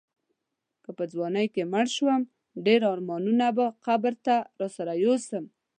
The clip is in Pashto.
که په ځوانۍ کې مړ شوم ډېر ارمانونه به قبر ته راسره یوسم.